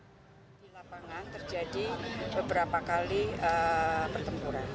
di lapangan terjadi beberapa kali pertempuran